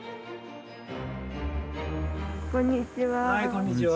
こんにちは。